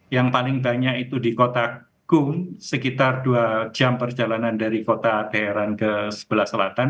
yang paling banyak itu di kota gung sekitar dua jam perjalanan dari kota daerah ke sebelah selatan